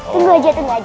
tinggal aja tinggal aja